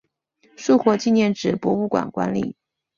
树火纪念纸博物馆管理。